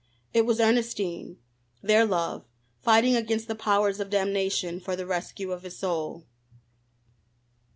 It was Ernestine, their love, fighting against the powers of damnation for the rescue of his soul.